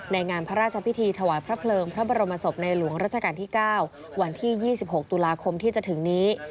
งานพระราชพิธีถวายพระเพลิงพระบรมศพในหลวงราชการที่๙วันที่๒๖ตุลาคมที่จะถึงนี้